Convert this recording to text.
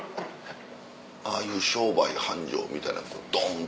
ああいう商売繁盛みたいなドンって。